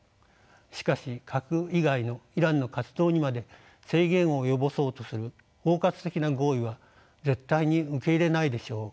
しかし核以外のイランの活動にまで制限を及ぼそうとする包括的な合意は絶対に受け入れないでしょう。